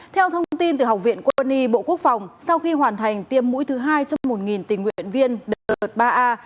theo thông tin từ học viện quân y bộ quốc phòng sau khi hoàn thành tiêm mũi thứ hai trong một tình nguyện viên đợt ba a